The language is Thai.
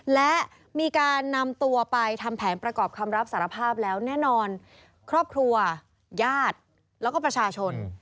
และมีการนำตัวไปทำแผนประกอบคำรับสารภาพแล้วแน่นอนครอบครัวญาติแล้วก็ประชาชน